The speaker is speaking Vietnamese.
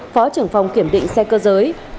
phó trưởng phòng kiểm định xe cơ giới